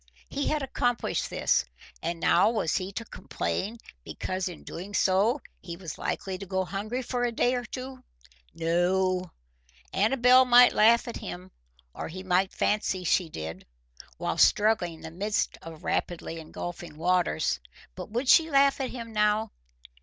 He had accomplished this, and now was he to complain because in doing so he was likely to go hungry for a day or two? No; Amabel might laugh at him, or he might fancy she did, while struggling in the midst of rapidly engulfing waters, but would she laugh at him now?